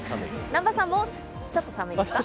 南波さんもちょっと寒いですか？